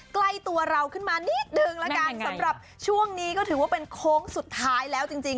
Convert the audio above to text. ใกล้ตัวเราขึ้นมานิดนึงละกันสำหรับช่วงนี้ก็ถือว่าเป็นโค้งสุดท้ายแล้วจริงจริง